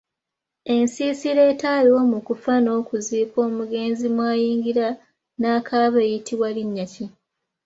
Ensiisira ataaliwo mu kufa n’okuziika omugenzi mwayingira n’akaaba eyitibwa linnya ki?.